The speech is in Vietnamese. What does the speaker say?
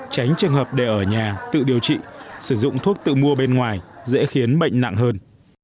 tránh trường hợp để ở nhà tự điều trị sử dụng thuốc tự mua bên ngoài dễ khiến bệnh nặng hơn